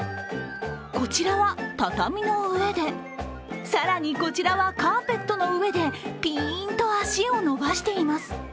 こちらは、畳の上で、更にこちらはカーペットの上でピーンと足を伸ばしています。